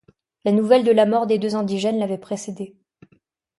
La nouvelle de la mort des deux indigènes l’avait précédé.